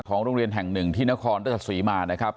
ของโรงเรียนแห่ง๑ที่นครดรสัตว์สวีมารนะครับ